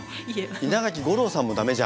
稲垣吾郎さんも駄目じゃん。